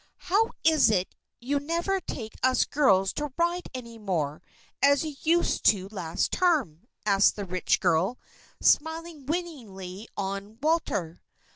"How is it you never take us girls to ride any more, as you used to last term?" asked the rich girl, smiling winningly on Walter.